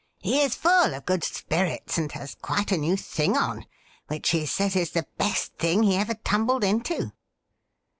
He is full of good spirits, and has quite a new thing on, which he says is the best thing he ever tumbled into.'